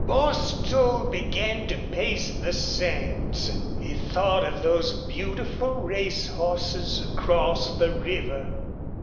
Bostil began to pace the sands. He thought of those beautiful race horses across the river.